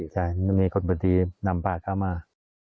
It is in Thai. ใช่มีคนพื้นที่นำพาเขามา